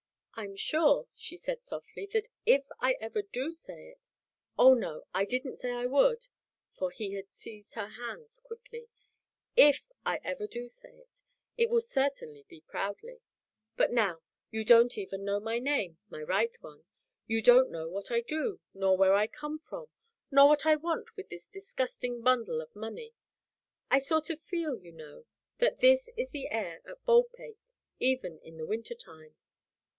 "I'm sure," she said softly, "that if I ever do say it oh, no, I didn't say I would" for he had seized her hands quickly "if I ever do say it it will certainly be proudly. But now you don't even know my name my right one. You don't know what I do, nor where I come from, nor what I want with this disgusting bundle of money. I sort of feel, you know that this is in the air at Baldpate, even in the winter time.